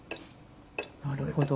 なるほど。